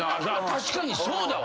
確かにそうだわ。